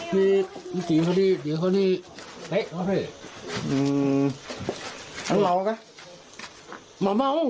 นี่นี่นายโฉมเลือดกะย่อยน้ำตากะย่อย